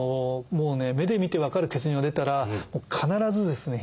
目で見て分かる血尿が出たら必ずですね